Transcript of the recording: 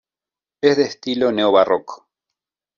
Es de estilo neobarroco.